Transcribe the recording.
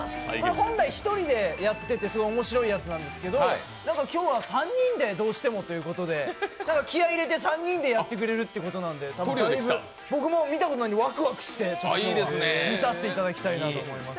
本来１人でやっていて面白いやつなんですけど、今日は３人でどうしてもということで、３人でやってくれるっていうことなんで僕も見たことないんで、ワクワクして見させていただきたいと思います。